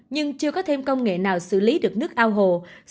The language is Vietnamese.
nhưng chưa có thêm công nghệ nào xử lý được nước ao hồ